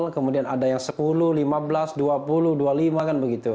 kemudian ada yang sepuluh lima belas dua puluh dua puluh lima kan begitu